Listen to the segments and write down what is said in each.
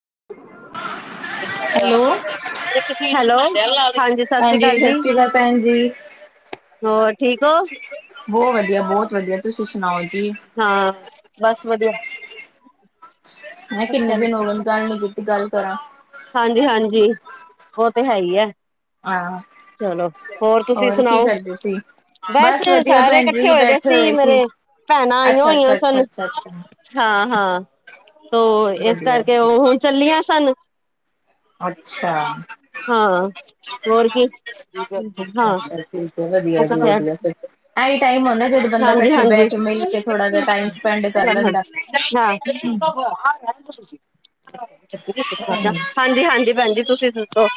[unintelligible] Hello [unintelligible] hello ਹਾਂਜੀ ਸਤਿ ਸ੍ਰੀ ਅਕਾਲ ਜੀ। ਸ਼੍ਰੀ ਅਕਾਲ ਭੈਣ ਜੀ ਹੋਰ ਠੀਕ ਹੋ? ਬਹੁਤ ਵਧੀਆ ਬਹੁਤ ਵਧੀਆ ਤੁਸੀਂ ਸੁਣਾਓ ਜੀ ਹਾਂ ਬਸ ਵਧੀਆ। ਮੈਂ ਕਿਹਾ ਕਿੰਨੇ ਚਲ ਦਿਨ ਹੋ ਗ ਗੱਲ ਨ ਕੀਤੀ ਗੱਲ ਕਰਾਂ। ਹਾਂਜੀ ਹਾਂਜੀ ਉਹ ਤੇ ਹੈ ਹੀ ਹੈ। ਹਾਂ ਚਲੋ ਹੋਰ ਤੁਸੀਂ ਕੀ ਸੁਣਾਓ? ਕਰਦੇ ਸੀ ਬਸ ਵਧੀਆ ਸਾਰੇ ਭੈਣ ਇਕੱਠੇ ਜੀ ਹੋਏ ਦੇ ਬੈਠੇ ਸੀ ਮੇਰੇ ਭੈਣਾਂ ਆਈਆਂ ਅੱਛਾ ਅੱਛਾ ਹੋਈਆਂ ਸਨ ਅੱਛਾ ਅੱਛਾ ਅੱਛਾ ਹਾਂ। ਹਾਂ ਤੋਂ ਇਸ ਵਧੀਆ ਕਰਕੇ ਉਹ ਵਧੀਆ ਹੁਣ ਚਲੀਆਂ ਸਨ। ਅੱਛਾ। ਹਾਂ ਹੋਰ ਕੀ ਹਾਂ ਅੱਛਾ [unintelligible] ਐਹੀ ਟਾਈਮ ਹੁੰਦਾ ਜਦੋਂ ਬੰਦਾ ਇਕੱਠੇ ਹਾਂਜੀ-ਹਾਂਜੀ ਬਹਿ ਹਾਂ। ਕੇ ਮਿਲ ਕੇ ਤੁਸੀਂ ਥੋੜਾ ਜਿਹਾ ਟਾਈਮ ਸਪੈਂਡ ਕਰ ਲੈਂਦਾ ਹਾਂਜੀ-ਹਾਂਜੀ ਭੈਣਜੀ ਤੁਸੀਂ ਦੱਸੋ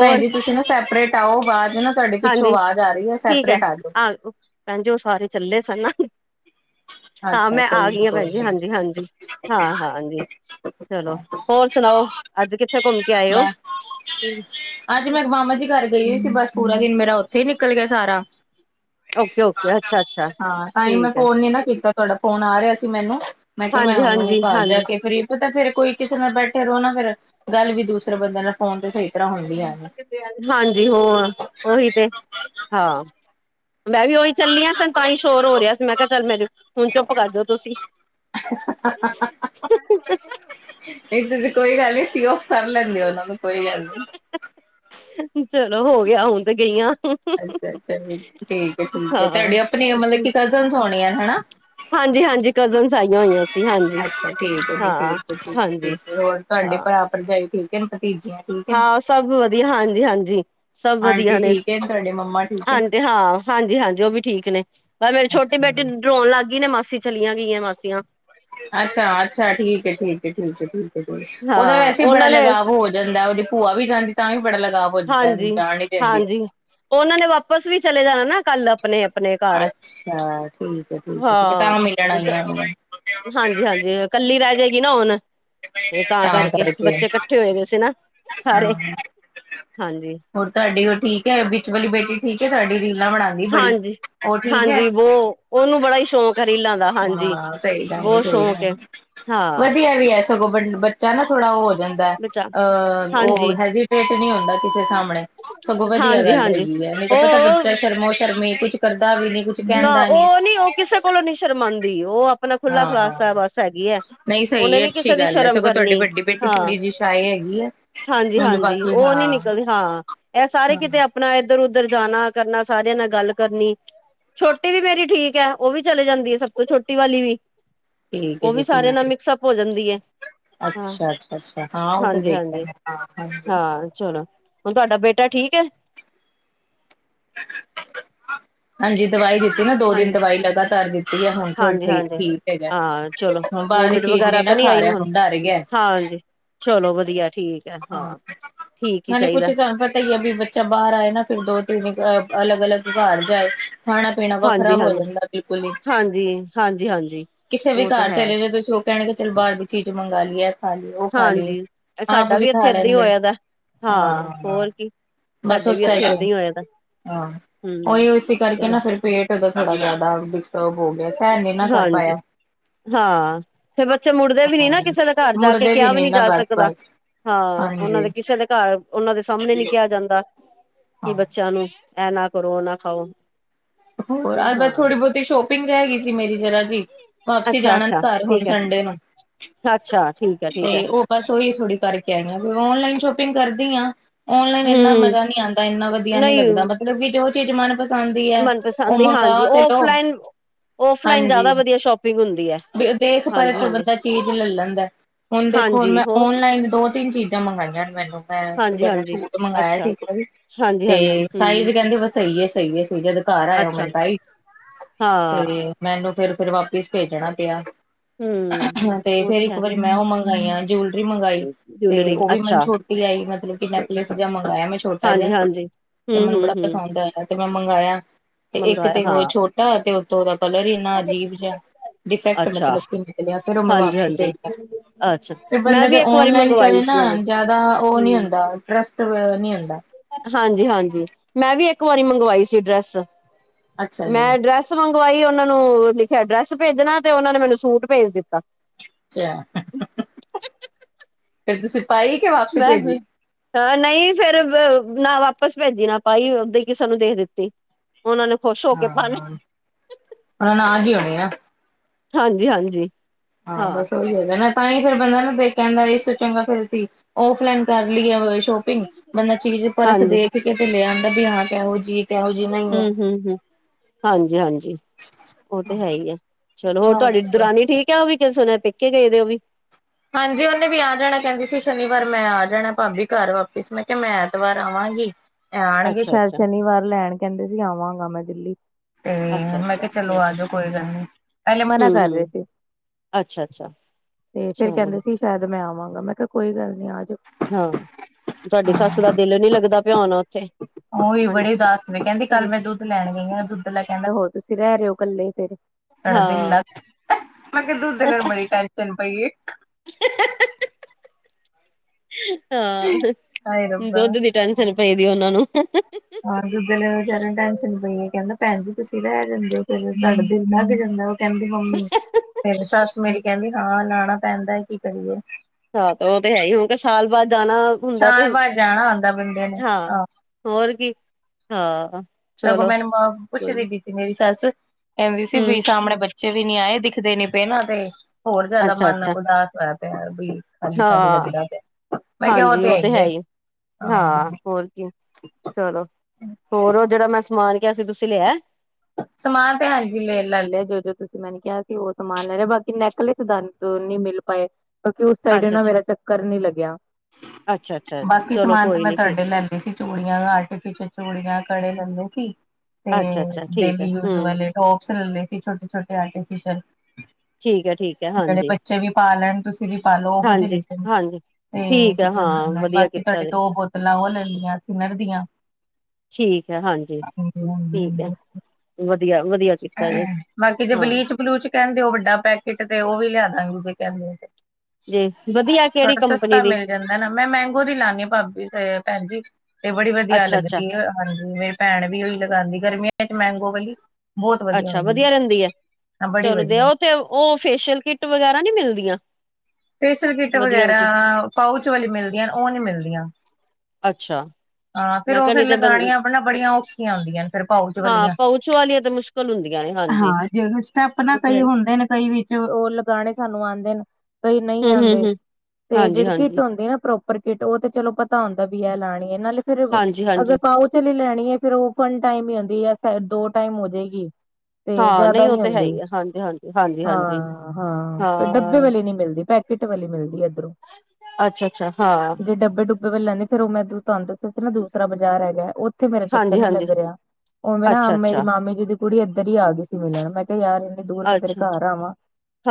ਭੈਣ ਜੀ ਤੁਸੀਂ ਨਾ ਸੈਪਰੇਟ ਆਓ ਆਵਾਜ਼ ਨਾ ਤੁਹਾਡੇ ਪਿੱਛੋਂ ਹਾਂਜੀ ਆਵਾਜ਼ ਆ ਰਹੀ ਠੀਕ ਹੈ ਸੈਪਰੇਟ ਜਾਓ ਆ ਭੈਣਜੀ ਓ ਸਾਰੇ ਚੱਲੇ ਸਨ ਹਾਂ ਅੱਛਾ ਮੈਂ ਕੋਈ ਆ ਨੀ ਗਈ ਹਾਂ ਭੈਣ ਕੋਈ ਜ ਨੀ ਹਾਂਜੀ-ਹਾਂਜੀ। ਹਾਂ ਹਾਂਜੀ ਚਲੋ ਹੋਰ ਸੁਨਾਓ ਅੱਜ ਕਿੱਥੇ ਘੁੰਮ ਕੇ ਆਏ ਹੋ? ਮੈਂ ਅੱਜ ਮੈਂ ਮਾਮਾ ਜੀ ਘਰ ਗਈ ਸੀ ਬਸ ਪੂਰਾ ਦਿਨ ਮੇਰਾ ਉੱਥੇ ਹੀ ਨਿਕਲ ਗਿਆ ਸਾਰਾ। ਓਕੇ ਓਕੇ ਅੱਛਾ ਅੱਛਾ ਹਾਂ ਤਾਂ ਹੀ ਮੈਂ ਠੀਕ ਹੈ ਫੋਨ ਨੀ ਨਾ ਕੀਤਾ ਤੁਹਾਡਾ ਫੋਨ ਆ ਰਿਹਾ ਸੀ ਮੈਨੂੰ। ਮੈਂ ਕਿਹਾ ਮੈਂ ਹਾਂਜੀ ਉਹਨੂੰ ਹਾਂਜੀ ਘਰ ਜਾ ਹਾਂਜੀ ਕੇ ਫਰੀ ਪਤਾ ਫੇਰ ਕੋਈ ਕਿਸੇ ਨਾਲ ਬੈਠੇ ਰਹੋ ਨਾ ਫੇਰ ਗੱਲ ਵੀ ਦੂਸਰੇ ਬੰਦ ਨਾਲ ਫੋਨ ਤੇ ਸਹੀ ਤਰ੍ਹਾਂ ਹੁੰਦੀ ਆ ਨੀ। ਹਾਂਜੀ ਹੋਰ ਉਹੀ ਤੇ ਹਾਂ। ਮੈਂ ਵੀ ਓਹੀ ਚੱਲੀ ਆ ਸਨ ਤਾਂ ਹੀ ਸ਼ੋਰ ਹੋ ਰਿਹਾ ਸੀ ਮੈਂ ਕਿਹਾ ਚੱਲ ਮੇਰੇ ਹੁਨ ਚੁੱਪ ਕਰ ਜੋ ਤੁਸੀਂ। ਇਧਰ ਦੀ ਕੋਈ ਗੱਲ ਨੀ ਸੀ ਉਹ ਕਰ ਲੈਂਦੇ ਆ ਉਹਨਾਂ ਨੂੰ ਕੋਈ ਗੱਲ ਨੀ ਚਲੋ ਹੋ ਗਿਆ ਹੁਣ ਤੇ ਗਈਆਂ ਅੱਛਾ, ਅੱਛਾ, ਠੀਕ ਹੈ, ਠੀਕ ਹਾਂ ਤੁਹਾਡੇ ਆਪਣੇ ਮਤਲਬ ਕਿ ਕਜਨਜ਼ ਹੋਣੀਆ ਆ ਹੈ ਨਾ। ਹਾਂਜੀ ਹਾਂਜੀ ਕਜ਼ਨਸ ਆਈਆਂ ਹੋਈਆਂ ਸੀ ਹਾਂਜੀ ਅੱਛਾ, ਠੀਕ ਹੈ ਜੀ, ਹਾਂ ਠੀਕ ਹੈ ਹਾਂਜੀ ਠੀਕ ਹੋਰ ਤੁਹਾਡੇ ਹਾਂ ਭਰਾ? ਭਰਜਾਈ ਠੀਕ। ਹੈ ਭਤੀਜੀਆਂ ਠੀਕ ਹੈ। ਹਾਂ ਸਭ ਵਧੀਆ ਹਾਂਜੀ-ਹਾਂਜੀ। ਸਭ ਆਂਟੀ ਵਧੀਆ ਨੇ ਠੀਕ ਏ ਸਾਡੇ ਹਾਂਜੀ ਹਾਂ ਹਾਂਜੀ ਹਾਂਜੀ ਉਹ ਵੀ ਠੀਕ ਨੇ ਪਰ ਮੇਰੇ ਛੋਟੇ ਬੇਟੀੇ ਅੱਛਾ ਡਰੋਨ ਲੱਗ ਗਈ ਨੇ ਮਾਸ ਸੀ ਚੱਲੀਆਂ ਗਈਆਂ ਮਾਸੀਆਂ। ਅੱਛਾ-ਅੱਛਾ ਠੀਕ ਐ, ਠੀਕ ਐ, ਠੀਕ ਐ, ਠੀਕ ਐ, ਠੀਕ ਉਹਦਾ ਹਾਂ ਵੈਸੇ ਹੀ ਬੜਾ ਉਹਨਾਂ ਨੇ ਲਗਾਵ ਹੋ ਜਾਂਦਾ ਓਦੀ ਭੂਆ ਵੀ ਜਾਂਦੀ ਤਾਂ ਵੀ ਬੜਾ ਲੱਗ ਹਾਂਜੀ-ਹਾਂਜੀ ਉਹਨਾਂ ਨੇ ਵਾਪਿਸ ਵੀ ਚਲੇ ਜਾਣਾ ਨਾ ਕੱਲ ਅਪਨੇ ਆਪਨੇ ਘਰ, ਅੱਛਾ ਠੀਕ ਹੈ ਠੀਕ ਹੈ ਠੀਕ ਹੈ ਹਾਂ ਤਾਂ ਮਿਲਣ ਆਈਆਂ ਹੋਈਆਂ ਹਾਂਜੀ-ਹਾਂਜੀ। ਕੱਲੀ ਰਹ ਜਾਏਗੀ ਨਾ ਹੁਣ ਤੇ ਤਾਂ ਕਰਕੇ ਬੱਚੇ ਕੱਠੇ ਹੋਏ ਗਏ ਸੀ ਨਾ। ਸਾਰੇ ਹਾਂ ਹੋਰ ਤੁਹਾਡੀ ਉਹ ਠੀਕ ਹੈ ਵਿਚ ਵਾਲੀ ਬੇਟੀ ਠੀਕ ਹੈ ਤੁਹਾਡੀ ਰੀਲਾ ਬਣਾ ਹਾਂਜੀ-ਹਾਂਜੀ ਬਹੁ ਉਹਨੂੰ ਬੜਾ ਹੀ ਸ਼ੌਕ ਹੈ ਰੀਲਾ ਦਾ ਹਾਂਜੀ ਹਾਂ ਸਹੀ ਗੱਲ ਬਹੁਤ ਸ਼ੌ ਹੁਕੇ ਹਾਂ। ਕਹਿ ਸਗੋ ਬ ਬੱਚਾ ਨਾ ਥੋੜਾ ਉਹ ਹੋ ਜਾਂਦਾ ਬਚਾ ਅਹ ਉਹ ਹਾਂਜੀ ਹੈਜੀਟੇਟ ਨੀ ਹੁੰਦਾ ਕਿਸੇ ਸਾਮਣੇ ਸਗੋਂ ਵਧੀਆ ਗੱਲ ਹਾਂਜੀ-ਹਾਂਜੀ ਹੈਗੀ ਹੈ ਨੀ ਤਾਂ ਪਤਾ ਬੱਚਾ ਉਹ ਸ਼ਰਮੋ ਸ਼ਰਮੀ ਕੁਝ ਕਰ ਨਾ ਉਹ ਨੀ ਉਹ ਕਿਸੇ ਕੋਲੋਂ ਨੀ ਸ਼ਰਮਾਉਂਦੀ ਉਹ ਆਪਨਾ ਖੁੱਲਾ ਹਾਂ ਖ਼ਲਾਸਾ ਬਸ ਹੈਗੀ ਹੈ ਨਹੀਂ ਸਹੀ ਉਹਨੇ ਹੈ ਨੀ ਅੱਛੀ ਕਿਸੇ ਦੀ ਗੱਲ ਹੈ ਸ਼ਰਮ ਸਗੋਂ ਤੁਹਾਡੀ ਕਰਨੀ ਵੱਡੀ ਬੇਟੀ ਹਾਂ। ਥੋੜ੍ਹੀ ਜਿਹੀ ਸ਼ਾਏ ਹੈਗੀ ਹੈ ਹੁਣ ਹਾਂਜੀ-ਹਾਂਜੀ ਬਾਕੀ ਹਾਂ ਉਹ ਨੀ ਨਿਕਲ ਹਾਂ। ਇਹ ਸਾਰੇ ਹਾਂ ਕਿਤੇ ਆਪਣਾ ਇੱਧਰ ਉਧਰ ਜਾਣਾ ਕਰਨਾ ਸਾਰਿਆਂ ਨਾਲ ਗੱਲ ਕਰਨੀ ਛੋਟੀ ਵੀ ਮੇਰੀ ਠੀਕ ਉਹ ਵੀ ਚਲੇ ਜਾਂਦੀ ਹੈ ਸਭ ਕੋਲ ਛੋਟੀ ਵਾਲੀ ਵੀ। ਠੀਕ ਹੈ ਉਹ ਜੀ ਵੀ ਸਾਰਿਆਂ ਠੀਕ ਨਾਲ ਹੈ ਮਿਕਸਅਪ ਹੋ ਜਾਂਦੀ ਹੈ। ਅੱਛਾ ਅੱਛਾ ਅੱਛਾ ਹਾਂ ਉਹ ਤੇ ਦੇਖਿਆ ਹਾਂਜੀ-ਹਾਂਜੀ ਮੈਂ ਹਾਂ ਹਾਂਜੀ ਹਾਂ ਚਲੋ ਹੁਣ ਤੁਹਾਡਾ ਬੇਟਾ ਠੀ ਠੀਕ ਹੈ। [unintelligible] ਹਾਂਜੀ ਦਵਾਈ ਦਿ ਨਾ ਦੋ ਦਿਨ ਦਵਾਈ ਲਗਾਤਾਰ ਦਿੱਤੀ ਹੈ ਹੁਣ ਥੋੜਾ ਹਾਂਜੀ-ਹਾਂਜੀ-ਹਾਂਜੀ ਠੀਕ ਹੈਗਾ ਹਾਂ ਚਲੋ ਹੁਣ ਬਾਰ ਦੀ ਵੋਮਿਟ ਚੀਜ਼ ਨੀ ਵਗੈਰਾ ਨਾ ਤਾਂ ਨੀ ਖਾ ਆਈ ਨਾ ਰਿਹਾ ਹੁਣ ਡਰ ਗਿਆ। ਹਾਂਜੀ ਚਲੋ ਵਧੀਆ ਠੀਕ ਹੈ ਹਾਂ ਠੀਕ ਹੀ ਹਾਂ ਹੇ ਕੁਛ ਚਾਹੀਦਾ ਤੁਹਾਨੂੰ ਪਤਾ ਹੀ ਆ ਵੀ ਬੱਚਾ ਬਾਹਰ ਆਏ ਨਾ ਫਿਰ ਦੋ ਤਿੰਨ ਅਲਗ-ਅਲਗ ਘਰ ਜਾਏ। ਖਾਣਾ ਪੀਣਾ ਵੱਖਰਾ ਹਾਂਜੀ ਹੋ ਹਾਂਜੀ ਜਾਂਦਾ ਬਿਲਕੁਲ ਹੀ। ਹਾਂਜੀ ਹਾਂਜੀ ਹਾਂਜੀ ਕਿਸੇ ਵੀ ਉਹ ਤੇ ਘਰ ਹੈ ਚਲੇ ਜਾ ਤੁਸੀਂ ਉਹ ਕਹਿਣਗੇ ਚਲੋ ਬਾਹਰ ਦੀ ਚੀਜ਼ ਮੰਗਵਾ ਲਈਏ। ਹਾਂ ਖਾ ਲਈ, ਉਹ ਖਾ ਲਈ, ਹਾਂਜੀ ਆਪ ਸਾਡਾ ਵੀ ਹਾਂ ਇੱਥੇ ਖਾ ਏਦਾਂ ਹੀ ਲੈਂਦੇ ਹੋਇਆ ਦਾ ਹਾਂ। ਹੋਰ ਕੀ ਬਸ ਸਾਡੇ ਉਸ ਵੀ ਇੱਥੇ ਕਰਕੇ ਏਦਾਂ ਹੀ ਹੋਇਆ ਦਾ ਹਾਂ ਹਮ ਓਹੀ ਉਸ ਕਰਕੇ ਚਲੋ ਨਾ ਫਿਰ ਪੇਟ ਥੋੜ੍ਹਾ ਜਿਆਦਾ ਡਿਸਟਰਬ ਹੋ ਗਿਆ ਸਹਿਣ ਨਹੀਂ ਨਾ ਕਰ ਪਾਇਆ। ਹਾਂਜੀ ਹਾਂ ਫ ਬੱਚੇ ਮੁੜਦੇ ਵੀ ਨੀ ਨਾ ਹਾਂਜੀ ਕਿਸੇ ਦੇ ਘਰ ਜਾ ਕੇ ਮੁੜਦੇ ਕਿਹਾ ਵੀ ਨੇ ਨਹੀਂ ਨਾ ਜਾ ਬਸ ਸਕਦਾ। ਬਸ ਹਾਂ ਉਹਨਾਂ ਹਾਂਜੀ ਦੇ ਕਿਸੇ ਦੇ ਘਰ ਉਹਨਾਂ ਦੇ ਸਾਹਮਣੇ ਨੀ ਕਿਹਾ ਜਾਂਦਾ ਹਾਂ ਕਿ ਬੱਚਿਆਂ ਨੂੰ। ਇਹ ਨਾ ਕਰੋ ਉਹ ਨਾ ਖਾਓ। ਹੋਰ ਮੈਂ ਹਾਂ ਥੋੜੀ ਬਹੁਤੀ ਸ਼ੋਪਿੰਗ। ਰਹਿ ਗਈ ਸੀ ਮੇਰੀ ਜਰਾ ਜੀ ਵਾਪਸੀ ਅੱਛਾ ਜਾਣ ਅੱਛਾ ਘਰ ਹੁਣ ਠੀਕ ਹੈ ਸੰਡੇ ਨੂੰ। ਅੱਛਾ ਠੀਕ ਹੈ ਠੀਕ ਹੈ ਤੇ ਉਹ ਬਸ ਓਹੀ ਥੋੜ੍ਹੀ ਕਰਕੇ ਆਈ ਆ ਓਨਲਾਈਨ ਸ਼ੋਪਿੰਗ ਕਰਦੀ ਹਾਂ। ਓਨਲਾਈਨ ਇਨਾ ਹਮ ਮਜ਼ਾ ਨਹੀਂ ਆਉਂਦਾ ਇੰਨਾ ਵਧੀਆ ਨੀ ਨਹੀਂ ਲੱਗਦਾ ਮਤਲਬ ਕਿ ਜੋ ਚੀਜ਼ ਮਨ ਪਸੰਦ ਦੀ ਹੈ। ਮਨਪਸੰਦ ਉਹ ਦੀ ਮੰਗਾ ਹਾਂਜੀ ਤੇ ਲਓ। ਔਫਲਾਈਨ ਔਫਲਾਈਨ ਹਾਂਜੀ ਜ਼ਿਆਦਾ ਵਧੀਆ ਸ਼ੋਪਿੰਗ ਹੁੰਦੀ ਹੈ ਦੇਖ ਭਾਲ ਹਾਂਜੀ ਕੇ ਹਾਂਜੀ ਬੰਦਾ ਚੀਜ਼ ਲੈ ਲੈਂਦਾ। ਹੁਣ ਦੇਖੋ ਹੁਣ ਹਾਂਜੀ ਮੈਂ ਹੋਰ ਓਨਲਾਈਨ ਦੋ ਤਿੰਨ ਚੀਜ਼ਾਂ ਮੰਗਾਈਆਂ ਮੈਨੂੰ ਮੈਂ ਕੀ ਹਾਂਜੀ ਕਹਿੰਦਾ ਹਾਂਜੀ ਸੂਟ ਮੰਗਵਾਇਆ ਸੀ ਅੱਛਾ ਇੱਕ। ਹਾਂਜੀ ਹਾਂਜੀ ਤੇ ਹਮ ਸਾਈਜ਼ ਕਹਿੰਦੀ ਬਸ ਸਹੀ ਸਹੀ ਹੈ ਸਹੀ ਹੈ ਘਰ ਆਇਆ ਅੱਛਾ ਹਾਂ ਤੇ ਮੈਨੂੰ ਟਾਇਟ ਫਿਰ ਵਾਪਿਸ ਭੇਜਣਾ ਪਿਆ, ਹਮ ਤੇ ਉਹ ਫੇਰ ਤਾਂ ਇੱਕ ਹੈ ਵਾਰੀ ਮੈਂ ਉਹ ਮੰਗਈਆਂ ਜੂ ਮੰਗਵਾਾਈ ਤੇ ਜੂਲਰੀ ਉਹ ਵੀ ਮੈਨੂੰ ਅੱਛਾ ਛੋਟੀ ਆਈ ਮਤਲਬ ਕਿ ਨੈਕਲਸ ਜਿਹਾ ਮੰਗਵਾਇਆ ਮੈਂ ਛੋਟਾ ਹਾਂਜੀ ਜਿਹਾ। ਹਾਂਜੀ ਤੇ ਹਮ ਮੈਨੂੰ ਹਮ ਬੜਾ ਹਮ ਪਸੰਦ ਆਇਆ ਤੇ ਮੈਂ ਮੰਗਾਇਆ ਤੇ ਇੱਕ ਮੰਗਵਾਇਆ ਤੇ ਉਹ ਹਾਂ ਛੋਟਾ ਤੇ ਉਤੋਂ। ਕਲਰ ਇੰਨਾ ਅਜੀਬ ਜਿਹਾ। ਡਿਫੈਕਟ ਅੱਛਾ ਮਤਲਬ ਕਿ ਨਿਕਲਆ ਫਿਰ ਉਹ ਮੈਂ ਹਾਂਜੀ ਵਾਪਸ ਹਾਂਜੀ ਭੇਜਿਆ। ਅੱਛਾ ਫਿਰ ਮੈਂ ਬੰਦਾ ਵੀ ਜੇ ਇੱਕ ਵਾਰੀ ਓਨਲਾਈਨ ਮੰਗਵਾਈ ਕਰੇ ਸੀ ਨਾ ਜਿਆਦਾ ਉਹ ਨੀ ਹਮ ਹੁੰਦਾ ਟਰਸਟ ਵਗੈਰਾ ਨਹੀਂ ਹੁੰਦਾ। ਹਾਂਜੀ -ਹਾਂਜੀ ਮੈਂ ਵੀ ਇੱਕ ਵਾਰੀ ਮੰਗਵਾਈ ਸੀ ਡਰੈੱਸ। ਅੱਛਾ ਮੈਂ ਜੀ ਡਰੈਸ ਮੰਗਵਾਈ ਉਹਨਾਂ ਨੂੰ ਲਿਖਿਆ ਡਰੈਸ ਭੇਜਣਾ ਤੇ ਉਹਨਾਂ ਨੇ ਮੈਨੂੰ ਸੂਟ ਭੇਜ ਦਿੱਤਾ। ਇਹ ਫਿਰ ਤੁਸੀਂ। ਪਾਈ ਕੇ ਵਾਪਸੀ ਮੈਂ ਭੇਜੀ ਹਾਂ ਨਹੀਂ ਫੇਰ। ਨਾ ਵਾਪਿਸ ਭੇਜੀ ਨਾ ਭਾਈ ਉਦਾਂ ਹੀ ਕਿਸੇ ਨੂੰ ਦੇ ਦਿੱਤੀ। ਉਹਨਾਂ ਨੇ ਖ਼ੁਸ਼ ਹੋ ਕੇ ਪਾ ਹਾਂ ਉਹਨਾਂ ਨਾਲ ਆ ਗਈ ਲਿਆ। ਹੋਣੀ ਨਾ ਹਾਂਜੀ -ਹਾਂਜੀ ਹਾਂ ਬਸ ਓਹੀ ਹੈਗਾ ਨਾ ਤਾਂ ਹੀ ਫਿਰ ਬੰਦਾ ਨਾ ਕਹਿੰਦਾ ਸੋਚਾਂਗਾ ਫਿਰ ਅਸੀਂ ੳਫਲਾਈਨ ਕਰ। ਲਿਆ ਸ਼ੋਪਿੰਗ ਬੰਦਾ ਚੀਜ਼ ਪਰਖ ਹਾਂਜੀ ਦੇਖ ਕੇ ਤੇ ਲੈ ਆਉਦਾ ਵੀ ਹਾਂ ਕਿਹੋ ਜਿਹੀ ਕਿਹੋ ਜਿਹੀ ਨਹੀਂ ਹੈ। ਹਮ -ਹਮ -ਹਾਂਜੀ ਹਾਂਜੀ ਉਹ ਤੇ ਹੈ ਹੀ ਹੈ ਚਲੋ ਹੋਰ ਤੁਹਾਡੀ ਦਰਾਨੀ ਠੀਕ ਹੈ ਉਹ ਵੀ। ਸੁਣਿਆ ਪੇਕੇ ਗਏ ਦੇ ਉਹ ਵੀ। ਹਾਂਜੀ ਉਹਨੇ ਵੀ ਆ ਜਾਣਾ ਕਹਿੰਦੀ ਸੀ ਸ਼ਨੀਵਾਰ ਮੈਂ ਆ ਜਾਣਾ ਭਾਬੀ ਘਰ ਵਾਪਿਸ ਮੈਂ ਕਿਹਾ ਮੈਂ ਐਤਵਾਰ ਆਵਾਂਗੀ। ਆਉਣਗੇ ਅੱਛਾ ਸ਼ਾਇਦ ਅੱਛਾ ਸ਼ਨੀਵਾਰ ਲੈਣ ਕਹਿੰਦੇ ਸੀ ਆਵਾਂਗਾ ਮੈਂ ਦਿੱਲੀ। ਤੇ ਅੱਛਾ ਮੈਂ ਅੱਛਾ ਕਿਹਾ ਚਲੋ ਠੀਕ ਆ ਹੈ ਜਾਓ ਕੋਈ ਗੱਲ ਨੀ ਪਹਿਲੇ ਮਨਾ ਹੂੰ ਕਰ ਰਹੇ ਹੂੰ ਸੀ। ਅੱਛਾ -ਅੱਛਾ ਫਿਰ ਚਲੋ ਕਹਿੰਦੇ ਸੀ ਸ਼ਾਇਦ ਮੈਂ ਆਵਾਂਗਾ ਮੈਂ ਕਿਹਾ ਕੋਈ ਗੱਲ ਨੀ ਆ ਜਾਓ। ਹਾਂ ਤੁਹਾਡੀ ਸੱਸ ਦਾ ਦਿਲ ਨੀ ਲੱਗਦਾ ਪਿਆ ਹੁਣ ਉਥੇ। ਉਹੀ ਬੜੇ ਉਦਾਸ ਨੇ ਕਹਿੰਦੀ ਕੱਲ ਮੈਂ ਦੁੱਧ ਲੈਣ ਗਈ ਹਾਂ ਦੁੱਧ ਲੈ ਕੇ ਆਂਦਾ ਹੋਰ ਤੁਸੀਂ। ਰਹਿ ਰਹੇ ਹੋ ਕੱਲੇ ਫਿਰ ਤੁਹਾਡਾ ਦਿਲ ਹਾਂ ਲੱਗ ਮੈਂ ਕਿਹਾ ਦੁਧ ਦੀ ਬੜੀ ਟੈਂਨਸ਼ਨ ਪਈ ਏ। [unintelligible] ਹਾਂ ਹਾਏ ਰੱਬਾ। ਦੁੱਧ ਦੀ ਟੈਂਨਸ਼ਨ ਪਈ ਦੀ ਉਹਨਾਂ ਨੂੰ। ਹਾਂ ਦੂਜੇ ਨੇ ਵਿਚਾਰੇ ਨੂੰ ਟੈਨਸ਼ਨ ਪਈ ਹੈ ਕਹਿੰਦਾ ਭੈਣ ਜੀ ਤੁਸੀਂ ਰਹਿ ਜਾਂਦੇ ਹੋ ਫਿਰ ਤੁਹਾਡਾ ਦਿਲ ਲੱਗ ਜਾਂਦਾ। ਉਹ ਕਹਿੰਦੀ ਮੰਮੀ ਫਿਰ ਸੱਸ ਮੇਰੀ ਕਹਿੰਦੀ ਹਾਂ ਲਾਉਣਾ ਪੈਂਦਾ ਹੈ ਕੀ ਕਰੀਏ। ਹਾਂ ਤੇ ਉਹ ਤੇ ਹੈ ਹੀ ਹੁਣ ਸਾਲ ਬਾਅਦ ਜਾਣਾ ਹੁੰਦਾ ਤੇ ਸਾਲ ਬਾਅਦ ਜਾਣਾ ਹੁੰਦਾ ਬੰਦੇ ਨੇ ਹਾਂ ਆਹ ਹੋਰ ਕੀ ਹਾਂ। ਸਗੋਂ ਚਲੋ ਮੈਨੂੰ ਮਾ ਪੁੱਛ ਰਹੀ ਸੀ ਮੇਰੀ ਸੱਸ। ਕਹਿੰਦੀ ਸੀ ਵੀ ਹੂੰ ਸਾਹਮਣੇ ਬੱਚੇ ਵੀ ਨੀ ਆਏ ਦਿਖਦੇ ਨੀ ਪਏ ਨਾ ਤੇ ਹੋਰ ਜ਼ਿਆਦਾ ਅੱਛਾ ਮਨ ਅੱਛਾ ਉਦਾਸ ਹੋਇਆ ਪਿਆ ਖਾਲੀ ਖਾਲੀ ਹਾਂ ਲੱਗਦਾ ਤੇ ਮੈਂ ਕਿਹਾ ਉਹ ਹਾਂਜੀ ਤੇ ਆਈ ਹੈ ਆ ਹੀ ਹਾਂ ਹੋਰ ਕੀ ਚਲੋ ਹੋਰ ਉਹ ਜਿਹੜਾ ਮੈਂ ਸਮਾਨ ਕਿਆ ਸੀਂ ਤੁਸੀਂ ਲਿਆ ਮੈੇ ਕਿਹਾ ਸੀ ਉਹ ਸਮਾਨ ਲੈ ਰ ਬਾਕੀ ਨੈਕਲਸ ਦੰਦ ਨੀ ਮਿਲ ਪਾਏ ਕਿਉਂਕਿ ਉਸ ਸਾਈਡ ਅੱਛਾ ਨਾ ਅੱਛਾ ਮੇਰਾ ਚੱਕਰ ਨਹੀਂ ਲਗਿਆ ਅੱਛਾ ਅੱਛਾ ਬਾਕੀ ਚਲੋ ਸਮਾਨ ਤੇ ਕੋਈ ਮੈਂ ਨੀ ਠੀਕ ਤੁਹਾਡੇ ਹੈ ਲੈਂਦੀ ਸੀ ਚੂੜੀਆਂ ਆਰਟੀਫਿਸ਼ਅਲ ਚੂੜੀਆਂ ਕੜੇ ਲੈਂਦੇ ਸੀ ਤੇ ਅੱਛਾ ਅੱਛਾ ਠੀਕ ਹੈ ਡੇਲੀ ਯੂਜ ਹੂੰ ਵਾਲੇ ਟੋਪਸ ਲੈਂ ਲਯੇ ਸੀ ਛੋਟ ਛੋਟੇ ਆਰਟੀਫੀਸ਼ਲ ਠੀਕ ਹੈ ਠੀਕ ਹੈ ਜਿਹੜੇ ਹਾਂਜੀ ਬੱਚੇ ਵੀ ਪਾਲਣ ਪਾ ਲੋ ਉਹੋ ਜਿਹੇ ਹਾਂਜੀ ਲਦੇ ਤੇ ਹਾਂਜੀ ਠੀਕ ਹੈ ਕੀ ਹਾਂ ਕਹਿੰਦੇ ਹਨ ਵਧੀਆ ਬਾਕੀ ਕੀਤਾ ਤੁਹਾਡੇ ਜੇ ਦੋ ਬੋਤਲਾਂ ਉਹ ਲੈਦੇ ਨਰ ਦੀਆਂ ਠੀਕ ਹੈ ਹਾਂਜੀ ਠੀਕ ਹੈ [unintelligible] ਵਧੀਆ ਵਧੀਆ ਕੀਤਾ ਜੇ ਬਾਕੀ ਜੇ ਹਾਂ ਬਲੀਚ ਬਲੂਚ ਕਹਿੰਦੇ ਹੋ ਵੱਡਾ ਪੈਕੇਟ ਤੇ ਉਹ ਵੀ ਲਿਆਦਾ [unintelligible] ਜੀ ਵਧੀਆ ਕਿਹੜੀ ਥੋੜਾ ਕੰਪਨੀ ਸਸਤਾ ਦੀ ਮਿਲ ਜਾਂਦਾ ਨਾ ਮੈਂ ਮਹਿੰਗੋ ਦੀ ਲਾਦੀ ਹਾਂ ਭਾਬੀ ਭੈਣ ਜੀ ਏ ਬੜੀ ਵਧੀਆ ਅੱਛਾ-ਅੱਛਾ, ਲੱਗਦੀ ਐ। ਹਾਂਜੀ, ਮੇਰੀ ਭੈਣ ਵੀ ਉਹੀ ਲਗਾਂਦੀ ਏ ਗਰਮੀਆਂ ਚ ਮਹਿੰ ਅੱਛਾ, ਵਧੀਆ ਰਹਿੰਦੀ ਐ। ਹਾਂ ਬੜੀ ਚਲੋ ਵਧੀਆ। ਦਿਓ ਉਹ ਫੇਸ਼ੀਅਲ ਕਿਟ। ਕਿਟ ਵਗੈਰਾ ਨਹੀਂ ਮਿਲਦੀਆਂ? ਫੇਸ਼ਲ ਕਿੱਟ ਵਧੀਆ ਵਗੈਰਾ, ਵਿੱਚ ਪਾਊਚ ਵਾਲੀ ਮਿਲਦੀਆਂ। ਉਹ ਨਹੀਂ ਮਿਲਦੀਆਂ। ਅੱਛਾ। ਹਾਂ, ਫੇਰ ਮੈਂ ਉਹ ਕਿਹਾ ਫੇਰ ਨਹੀਂ ਤੇ ਬੰ ਲਗਾਣੀਆਂ ਆਪਣਾ ਬੜੀਆਂ ਔਖੀਆਂ ਹੁੰਦੀਆਂ ਨੇ ਫੇਰ ਪਾਉਚ ਹਾਂ ਵਾਲ਼ੀਆਂ। ਪਾਊਚ ਵਾਲੀਆਂ ਤੇ ਮੁਸ਼ਕਿਲ ਹੁੰਦੀਆਂ ਨੇ ਹਾਂਜੀ ਹਾਂ, ਜੇ ਉਹ ਸਟੈਪ ਨਾ ਉਹ ਤੇ ਕਈ ਹੈ ਹੀ ਹੁੰਦੇ ਨੇ ਕਈ ਵਿੱਚ ਉਹ ਲਗਾਣੇ ਸਾਨੂੰ ਆਉਂਦੇ ਨੇ। ਕਈ ਨਹੀਂ ਆਂਦੇ ਹੂੰ-ਹੂੰ-ਹੂੰ ਤੇ ਜਿਹੜੀ ਕਿੱਟ ਹਾਂਜੀ-ਹਾਂਜੀ। ਹੁੰਦੀ ਨਾ ਪ੍ਰੋਪਰ ਕਿੱਟ ਉਹ ਤੇ ਚਲੋ ਪਤਾ ਹੁੰਦਾ ਵੀ ਇਹ ਲਾਣੀ ਐ। ਨਾਲੇ ਫੇਰ ਅਗਰ ਹਾਂਜੀ-ਹਾਂਜੀ ਪਾਓਚ ਆਲੀ ਲੈਣੀ ਹੈ ਫੇਰ ਉਹ ਵਣ ਟਾਈਮ ਹੀ [unintelligible] ਦੋ ਟਾਈਮ ਹੋਜੇਗੀ। ਤੇ ਹਾਂ ਜ਼ਿਆਦਾ ਨਹੀਂ ਉਹ ਨੀ ਤੇ ਹੈ ਹੁੰਦੀ। ਹੀ ਹੈ ਹਾਂਜੀ-ਹਾਂਜੀ, ਹਾਂਜੀ-ਹਾਂਜੀ ਹਾਂ, ਹਾਂ। ਫ ਡੱਬੇ ਹਾਂ ਵਾਲੀ ਨੀ ਮਿਲਦੀ। ਪੈਕੇਟ ਵਾਲੀ ਮਿਲਦੀ ਐ ਇਧਰੋਂ। ਅੱਛਾ-ਅੱਛਾ ਹਾਂ ਜੇ ਡੱਬੇ ਡੁੱਬੇ ਵੇ ਲਾਂ ਨੇ ਫੇਰ ਉਹ ਮੈਂ ਦ ਨਾ ਦੂਸਰਾ ਬਾਜ਼ਾਰ ਹੈਗਾ। ਉੱਥੇ ਮੇਰਾ ਚੱਕਰ ਨੀ ਹਾਂਜੀ-ਹਾਂਜੀ ਲੱਗ ਰਿਹਾ ਉਹਵੇਂ ਨਾ ਮੇਰੀ ਅੱਛਾ-ਅੱਛਾ, ਮਾਮੀ ਜੀਦੀ ਕੁੜੀ ਇੱਧਰ ਹੀ ਆ ਗਈ ਸੀ ਮਿਲਣ। ਮੈਂ ਕਿਹਾ ਯਾਰ ਦੂਰ ਮੈਂ ਤੇਰੇ ਅੱਛਾ-ਅੱਛਾ ਘਰ ਆਵਾਂ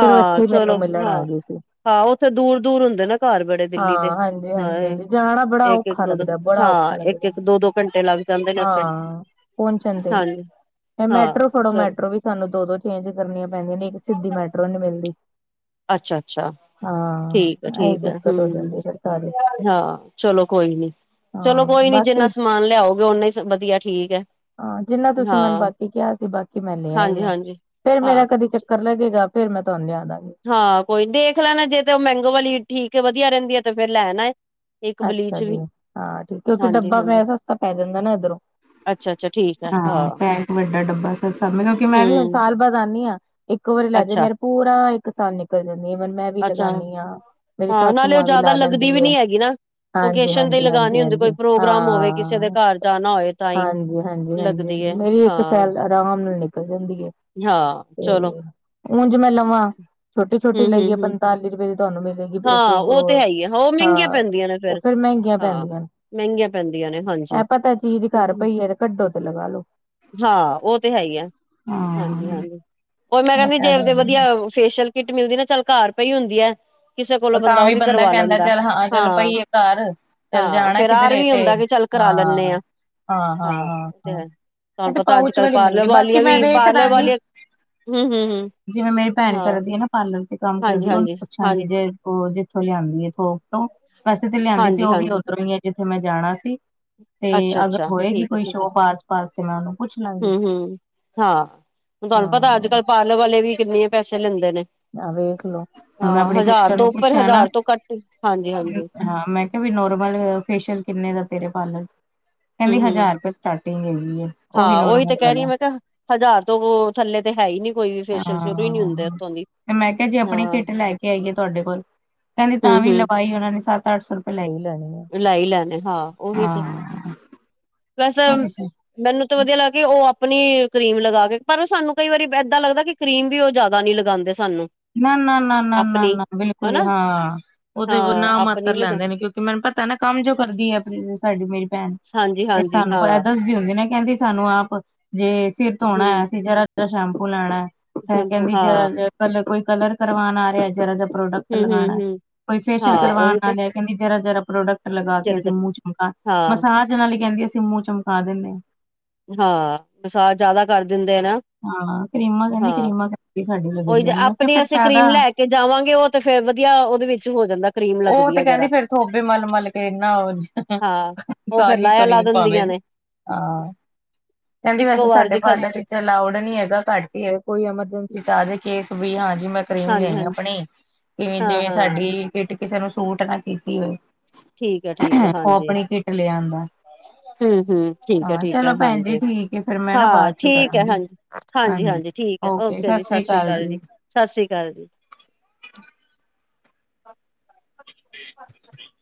ਫੇਰ ਉਹ ਇੱਥੇ ਹੀ ਮੈਨੂੰ ਚਲੋ ਮਿਲਣ ਆ ਹਾਂ ਗਏ ਸੀ। ਹਾਂ ਉੱਥੇ ਦੂਰ-ਦੂਰ ਹੁੰਦੇ ਨਾ ਘਰ ਬੜੇ ਦਿੱਲੀ ਤੇ ਹਾਂ, ਹਾਂਜੀ, ਹਾਂਜੀ, ਹਾਂ ਹਾਂਜੀ। ਜਾਣਾ ਬੜਾ ਇੱਕ ਇੱਕ ਔਖਾ ਦੋ ਦੋ ਲੱਗਦਾ। ਬੜਾ ਹਾਂ ਔਖਾ ਔਖਾ ਇੱਕ ਲੱਗਦਾ। ਇੱਕ ਦੋ ਦੋ ਘੰਟੇ ਲੱਗ ਜਾਂਦੇ ਨੇ ਉੱਥੇ ਹਾਂ, ਪਹੁੰਚਣ ਦੇਈ। ਹਾਂਜੀ ਇਹ ਮੈਟਰੋ ਹਾਂ ਫੜੋ ਚਲੋ ਮੈਟਰੋ ਵੀ ਸਾਨੂੰ ਦੋ ਦੋ ਚੇਂਜ ਕਰਨੀਆਂ ਪੈਂਦੀਆਂ ਨੇ ਇੱਕ ਸਿੱਧੀ ਮੈਟਰੋ ਨੀ ਮਿਲਦੀ। ਅੱਛਾ, ਅੱਛਾ। ਹਾਂ ਠੀਕ ਐ। ਇਹ ਠੀਕ ਐ। ਦਿੱਕਤ ਹੋ ਹੂੰ, ਜਾਂਦੀ ਫਿਰ ਸਾਰੀ ਹਾਂ ਚਲੋ ਕੋਈ ਨੀ। ਚਲੋ ਹਾਂ ਕੋਈ ਨੀ ਜਿੰਨਾ ਬਾਕੀ ਸਮਾਨ ਲਿਆਓਗੇ ਓਨਾ ਈ ਵਧੀਆ। ਠੀਕ ਐ। ਹਾਂ, ਜਿੰਨਾ ਤੁਸੀਂ ਮੈਨੂੰ ਬਾਕੀ ਕਿਹਾ ਸੀ ਬਾਕੀ ਮੈਂ ਲੇ ਆਈ ਹਾਂਜੀ ਹਾਂ। ਹਾਂਜੀ ਫੇਰ ਮੇਰਾ ਹਾਂ ਕਦੇ ਚੱਕਰ ਲੱਗੇ। ਫੇਰ ਮੈਂ ਤੁਹਾਨਂਦੀਆ। ਹਾਂ, ਕੋਈ ਦੇਖ ਲੈਣਾ ਜੇ ਤੇ ਉਹ ਮੈਂਗੋ ਵਾਲੀ। ਠੀਕ ਵਧੀਆ ਰਹਿੰਦੀ ਹੈ ਤੇ ਫੇਰ ਲੈ ਨਾ। ਅੱਛਾ ਜੀ, ਹਾਂ ਠੀਕ। ਕਿਉਂਕਿ ਹਾਂਜੀ ਡੱਬਾ ਹਾਂਜੀ ਸਸਤਾ ਪੈ ਜਾਂਦਾ ਨਾ ਇੱਧਰੋਂ। ਅੱਛਾ ਅੱਛਾ ਠੀਕ ਹੈ ਹਾਂ ਪੈ ਇੱਕ ਵੱਡਾ ਡੱਬਾ ਸ ਮਤਲਬ ਮੈਂ ਵੀ ਹੁਣ ਹਮ ਸਾਲ ਬਾਅਦ ਆਦੀ ਹਾਂ। ਇੱਕੋ ਵਾਰੀ ਲੈਜੇ ਅੱਛਾ ਮੇਰਾ ਪੂਰਾ ਇੱਕ ਸਾਲ ਨਿਕਲ ਜਾਂਦੀ ਵਨ ਮੈਂ ਵੀ ਅੱਛਾ ਲਗਾਦੀ ਹਾਂ। ਮੇਰੀ ਹਾਂ ਸਾਸੂ ਨਾਲੇ ਉਹ ਮਾਂ ਵੀ ਜ਼ਿਆਦਾ ਲਾ ਲੱਗਦੀ ਲੈਂਦੀ ਵੀ ਏ। ਨੀ ਹੈਗੀ ਨਾ। ਹਾਂਜੀ, ਓਕੇਸ਼ਨ ਤੇ ਹਾਂਜੀ, ਹਾਂਜੀ, ਲਗਾਣੀ ਹੁੰਦੀ ਕੋਈ ਹਾਂਜੀ। ਪ੍ਰੋਗਰਾਮ ਹੋਵੇ ਕਿਸੇ ਦੇ ਹਾਂ, ਘਰ ਜਾਣਾ ਹੋਏ ਤਾਂ ਹੀ ਹਾਂਜੀ, ਹਾਂਜੀ, ਹਾਂਜੀ। ਹਾਂਜੀ, ਲੱਗਦੀ ਹਾਂਜੀ। ਹੈ। ਮੇਰੀ ਇੱਕ ਹਾਂ, ਸਾਲ ਆਰਾਮ ਨਾਲ ਨਿਕਲ ਜਾਂਦੀ ਏ। ਹਾਂ, ਚਲੋ। ਉਂਜ ਮੈਂ ਲਵਾਂ ਛੋਟੀ ਛੋਟੀ ਹੂੰ, ਹੂੰ, ਲਈਏ ਹੂੰ ਪੰਤਾਲੀ ਰੁਪਏ ਤੁਹਾਨੂੰ ਮਿਲੇਗੀ ਵੀ ਇੱਕ ਹਾਂ ਤੇ ਉਹ ਹੈ ਹੀ ਹੈ ਉਹ ਮਹਿੰਗੀਆਂ ਹਾਂ ਪੈਂਦੀਆਂ ਨੇ ਉਹ ਫੇਰ ਮਹਿੰਗੀਆਂ ਹਾਂ। ਪੈਂਦੀਆਂ ਨੇ। ਮਹਿੰਗੀਆਂ ਪੈਂਦੀਆਂ ਨੇ ਹਾਂਜੀ ਇਹ ਪਤਾ ਚੀਜ਼ ਕਰ ਪਈ ਹੈ ਤੇ ਕੱਢੋ ਤੇ ਲਗਾਾਲੋ। ਹਾਂ, ਉਹ ਤੇ ਹੈ ਈ ਆ। ਹਾਂਜੀ, ਹਾਂ, ਹਾਂਜੀ। ਉਹ ਮੈਂ ਇਹ ਕਹਿੰਦੀ ਤਾਂ ਜੇ ਗੱਲ ਏ ਵਧੀਆ ਫੇਸ਼ੀਅਲ ਕਿੱਟ ਮਿਲਦੀ ਨਾ ਚੱਲ ਘਰ ਪਈ ਹੁੰਦੀ ਐ। ਤਾਂ ਵੀ ਬੰਦਾ ਕਹਿੰਦਾ ਚੱਲ ਹਾਂ ਚੱਲ ਪਾਈ ਏ ਘਰ। ਚੱਲ ਹਾਂ ਜਾਣਾ ਫੇਰ ਆਰ ਕਿਧਰੇ ਵੀ ਤੇ। ਹੁੰਦਾ ਕਿ ਚੱਲ ਕਰਾ ਲੈਂਦੇ ਹਾਂ ਹਾਂ ਹਾਂ ਹਾਂ ਉਹ ਤੇ ਹਾਂ। ਹੈ ਇਹ ਤੁਹਾਨੂੰ ਤੇ ਪਤਾ ਅੱਜ ਪਾਉਚ ਕੱਲ੍ਹ ਵਾਲੀ ਮਿਲਦੀ। ਪਾਰਲਰ ਬਾਕੀ ਵਾਲੀਆਂ ਮੈਂ ਵੀ ਵੇਖ ਪਾਰਲਰ ਦਾਂਗੀ। ਵਾਲੀਆਂ ਹੂੰ ਹੂੰ ਹੂੰ ਜਿਵੇਂ ਮੇਰੀ ਭੈਣ ਹਾਂ ਕਰਦੀ ਐ ਨਾ ਪਾਰਲਰ ਚ ਕੰਮ ਹਾਂਜੀ ਕਰਦੀ ਉਹਨੂੰ ਹਾਂਜੀ ਹਾਂ ਪੁੱਛਾਂਗੇ ਜੇ ਉਹ ਜਿੱਥੋਂ ਲਿਆਂਦੀ ਥੋਕ ਤੋਂ ਵੈਸੇ ਤੇ ਲਿਆਂਦੀ ਤੇ ਹਾਂਜੀ ਉਹ ਵੀ ਹਾਂਜੀ ਓਧਰੋਂ ਹੀ ਹੈ ਜਿੱਥੇ ਮੈਂ ਜਾਣਾ ਸੀ। ਤੇ ਅੱਛਾ ਅਗਰ ਅੱਛਾ ਹੋਏਗੀ ਠੀਕ ਹੈ ਕੋਈ ਠੀਕ ਹੈ ਸ਼ੋਪ ਆਸ-ਪਾਸ ਤੇ ਮੈਂ ਉਹਨੂੰ ਪੁੱਛ ਲਾਂਗੀ। ਹੂੰ ਹੂੰ ਹਾਂ, ਹੁਣ ਤੁਹਾਨੂੰ ਪਤਾ ਅੱਜ ਹਾਂ ਕੱਲ੍ਹ ਪਾਰਲਰ ਵਾਲੇ ਵੀ ਕਿੰਨੇ ਪੈਸੇ ਲੈਂਦੇ ਨੇ। ਆ ਵੇਖਲੋ ਹੁਣ ਮੈਂ ਹਾਂ ਆਪਣੀ ਹਜ਼ਾਰ ਸਿਸਟਰ ਤੋਂ ਨੂੰ ਉੱਪਰ ਪੁੱਛਿਆ ਨਾ। ਹਜ਼ਾਰ ਤੋਂ ਘੱਟ ਹਾਂਜੀ ਹਾਂਜੀ ਹਾਂ, ਮੈਂ ਕਿਹਾ ਵੀ। ਨੋਰਮਲ ਫੇਸ਼ੀਅਲ ਕਿੰਨੇ ਦਾ ਤੇਰੇ ਪਾਰਲਰ ਚ? ਹੂੰ, ਕਹਿੰਦੀ ਹੂੰ। ਹਜ਼ਾਰ ਰੁਪਏ ਸਟਾਰਟਿੰਗ ਹੈਗੀ ਹੈ ਉਹ ਵੀ ਹਾਂ ਉਹੀ ਨੋਰਮਲ ਤੇ ਕਹਿ ਰਹੀ ਐ ਵਾਲਾ ਮੈਂ ਕਿਹਾ ਹਜ਼ਾਰ ਤੋਂ ਥੱਲੇ। ਪਹਿਲੇ ਤੇ ਹੈ ਹੀ ਨਹੀਂ ਕੋਈ ਫੇਸੀਅਲ ਸ਼ੁਰੂ ਹੀ ਨੀ ਹੁੰਦੇ ਹਾਂ ਉੱਥੋ ਦੀ। ਤੇ ਮੈਂ ਕਿਹਾ ਜੇ ਆਪਣੀ ਹਾਂ ਕਿੱਟ ਲੈ ਕੇ ਆਈਏ ਤੁਹਾਡੇ ਕੋਲ। ਕਹਿੰਦੀ ਤਾਂ ਵੀ ਲਵਾਈ ਉਹਨਾਂ ਨੇ ਸੱਤ ਅੱਠ ਸੌ ਰੁਪਏ ਲੈ ਹੀ ਲੈਣੀ ਹੈ ਲਾਈ ਲੈਣੇ। ਹਾਂ, ਉਹ ਵੀ ਤੇ। ਹਾਂ ਵੈਸੇ ਮੈਨੂੰ ਤਾਂ ਵਧੀਆ ਲੱਗ ਗਈ ਉਹ ਆਪਣੀ ਕਰੀਮ ਲਗਾ ਕੇ ਪਰ ਸਾਨੂੰ ਕਈ ਵਾਰੀ ਇਦਾਂ ਲੱਗਦਾ ਕਿ ਕਰੀਮ ਵੀ ਉਹ ਜਿਆਦਾ ਨਹੀਂ ਲਗ ਨਾ ਨਾ ਨਾ ਬਿਲਕੁਲ ਹਨਾ ਹਾਂ ਹਾਂ ਉਥੇ ਗੁਨਾਹ ਆਪਣੀ ਮਾਤਰ ਲਗਾ ਲਾਂਦੇ ਨੇ ਕਿਉਂਕਿ ਮੈਨੂੰ ਪਤਾ ਨਾ ਕੰਮ ਜੋ ਕਰਦੀ ਹ ਸਾਡੀ ਹਾਂਜੀ ਹਾਂਜੀ ਸਾਨੂੰ ਹਾਂ ਪਤਾ ਤੁਸੀਂ ਹੁੰਦੇ ਨੇ ਕਹਿੰਦੀ ਸਾਨੂੰ ਆਪ ਜੇ ਸਿਰ ਤੋਂ ਹਮ ਆਉਣਾ ਸੀ ਜਰਾ ਸ਼ਾਮੂ ਲੈਣਾ ਇਹ ਸ਼ੈਂਪੂ ਕਹਿੰਦੀ ਹਾਂ ਕੋਈ ਕਲਰ ਕਰਵਾਉਣ ਆ ਰਿਹਾ ਪ੍ਰੋਡਕਟ ਹਮ ਲਗਾਣਾ ਹਮ ਹਮ ਕੋਈ ਫੇਸਿਆਲ ਹਾਂ ਉਹੀ ਕਰਵਾਣਾ ਤੇ [unintelligible] ਪ੍ਰੋਡਕਟ ਲਗਾ ਕੇ ਅਸੀਂ ਜਿਹੜੇ ਮੂੰਹ ਚ ਮਕਾ ਹਾਂ ਮਸਾਜ ਨਾਲ ਹੀ ਕਹਿੰਦੀ ਅਸੀਂ ਮੂੰਹ ਚਮਕਾ ਦਿਨੇ ਆ ਹਾਂ ਜਿਆਦਾ ਕਰ ਦਿੰਦੇ ਨਾ ਹਾਂ ਕਰੀਮ ਐਨੀ ਕਰੀਮ ਸਾਡੀ ਲਗਦੀਆਂ ਨੇ ਕਿਹਾ ਫਿਰ ਸਕਰੀਨ ਫਾਇਦਾ ਲੈ ਕੇ ਜਾਵਾਂਗੇ ਉਹ ਤੇ ਫਿਰ ਵਧੀਆ ਉਹਦੇ ਵਿੱਚ ਹੋ ਜਾਂਦਾ ਕਰੀਮ ਉਹ ਲੱਗਦੀ ਤੇ ਹੈ ਕਹਿੰਦੀ ਜਰਾ ਫਿਰ ਥੋਪੇ ਮਲ ਮਲ ਕੇ ਨਾ ਹਾਂ ਉਹ ਫੇਰ ਸਾਰੀਆਂ ਲਾਇਆ ਲਾ ਦਿੰਦੀਆਂ ਨੇ [unintelligible] ਹਾਂ ਕਹਿੰਦੀ ਬਸ ਇੱਕੋ ਵਾਰ ਸਾਡੇ ਚ ਬਾਲਾਂ ਖਤ ਤੇ ਅਲਾਉਡ ਨਹੀਂ ਹੈਗਾ ਘੱਟ ਕੋਈ ਐਮਰਜੰਸੀ ਵੀ ਹਾਂ ਜੀ ਮੈਂ ਕਰੀਮ ਹਾਂਜੀ ਲਿਆਈ ਹਾਂਜੀ ਆਪਣੀ ਇਵੇਂ ਹਾਂ ਜਿਵੇਂ ਹਾਂ ਸਾਡੀ ਕਿਟ ਕਿਸੇ ਨੂੰ ਸੂਟ ਨਾ ਕੀਤੀ ਠੀਕ ਆ ਠੀਕ ਆ ਉਹ ਹਾਂਜੀ ਆਪਣੀ ਕਿਟ ਲਿਆਂਦਾ ਹੂੰ ਹੂੰ ਠੀਕ ਆ ਹਾਂ ਠੀਕ ਚਲੋ ਆ ਭੈਣ ਜੀ ਹਾਂਜੀ ਠੀਕ ਹੈ ਫਿਰ ਮੈਂ ਨਾ ਹਾਂ ਬਾਅਦ ਚੋਂ ਠੀਕ ਆ ਕਰਾਂਗੀ ਹਾਂਜੀ ਠੀਕ ਆ ਓਕੇ ਜੀ ਸਤਿ ਸ਼੍ਰੀ ਅਕਾਲ ਜੀ ਸਤਿ ਸ਼੍ਰੀ ਅਕਾਲ [unintelligible] ਹ ਕੋਈ ਆਵਾਜ਼ ਨਹੀਂ ਹੈ